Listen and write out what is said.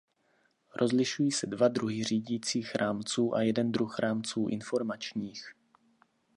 Rozlišují se dva druhy řídících rámců a jeden druh rámců informačních.